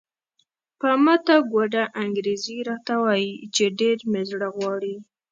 په ماته ګوډه انګریزي راته وایي چې ډېر مې زړه غواړي.